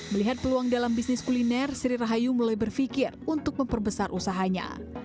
melihat peluang dalam bisnis kuliner sri rahayu mulai berpikir untuk memperbesar usahanya